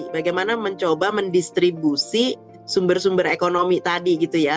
bagaimana mencoba mendistribusi sumber sumber ekonomi tadi gitu ya